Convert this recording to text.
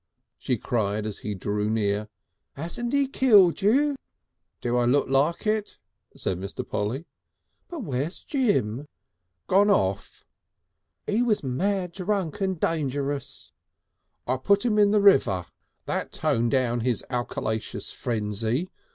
she cried as he drew near, "'asn't 'e killed you?" "Do I look like it?" said Mr. Polly. "But where's Jim?" "Gone off." "'E was mad drunk and dangerous!" "I put him in the river," said Mr. Polly. "That toned down his alcolaceous frenzy!